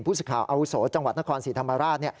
สิทธิ์อาวุโสจังหวัดนครศรีธรรมราช